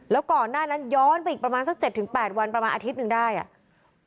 แล้วก่อนหน้านั้นย้อนไปอีกประมาณสักเจ็ดถึงแปดวันประมาณอาทิตย์หนึ่งได้อ่ะ